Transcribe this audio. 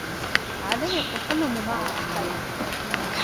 علي التكلم مع أحد.